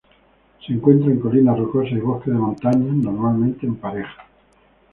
Se encuentran en colinas rocosas y bosques de montañas, normalmente en parejas.